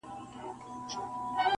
کلي کي سړه فضا ده ډېر,